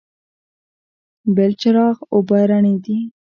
بلچراغ اوبه رڼې دي؟